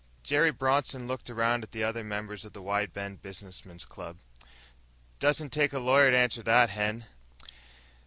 Jerry Bronson looked around at the other members of the Wide Bend Businessmen's Club. "Doesn't take a lawyer to answer that, Hen."